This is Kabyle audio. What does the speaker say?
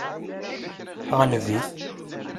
Ɣleb-it!